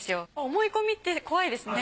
思い込みって怖いですね。